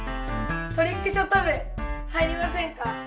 トリックショット部入りませんか？